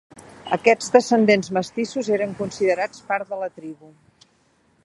Aquests descendents mestissos eren considerats part de la tribu.